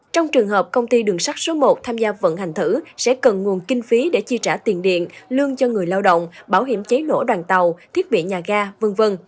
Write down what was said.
trong trường hợp công ty đường sắt số một tham gia vận hành thử sẽ cần nguồn kinh phí để chi trả tiền điện lương cho người lao động bảo hiểm cháy nổ đoàn tàu thiết bị nhà ga v v